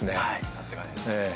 さすがです。